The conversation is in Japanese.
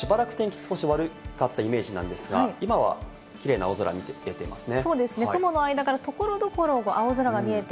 しばらく天気少し悪かったイメージなんですが、今はキレイな青空見えていますね。